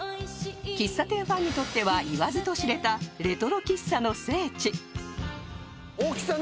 喫茶店ファンにとっては言わずと知れたレトロ喫茶の聖地。